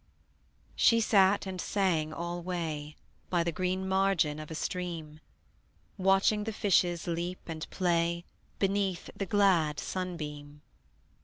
She sat and sang alway By the green margin of a stream, Watching the fishes leap and play Beneath the glad sunbeam.